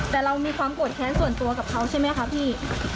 แต่เรามีความโกรธแค้นส่วนตัวกับเขาใช่ไหมคะพี่